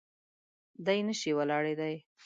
دی نه شي ولاړېدای.